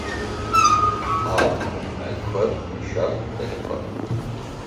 Хьау, мэлхэр тищагу дэтхэп.